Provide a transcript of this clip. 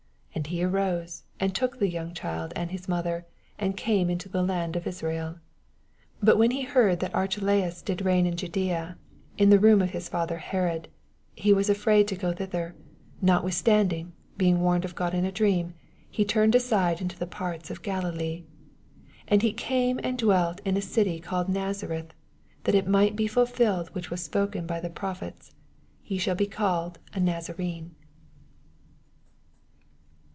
SI And he aroae, and took the yonn|[ child and his mother, and oame mto the land of Israel. S2 Bat when be heard that Anhe laas did reign in Jadaa in the room of bis father Herod, he was afraid to go thither: notwithstanding, beins^ warned of Ood in a dream^ he tamea aside into tiie parts of Gkdilee : 28 And he came and dwelt in city odled Nazareth: that it migh be fulfilled which was spoken by the prophets, He shall be called a Ni rene.